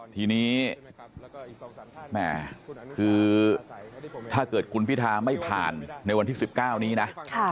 ทีนี้แม่คือถ้าเกิดคุณพิธาไม่ผ่านในวันที่๑๙นี้นะ